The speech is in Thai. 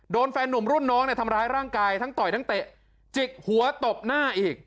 แฟนหนุ่มรุ่นน้องเนี่ยทำร้ายร่างกายทั้งต่อยทั้งเตะจิกหัวตบหน้าอีก